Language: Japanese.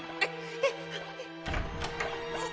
えっ？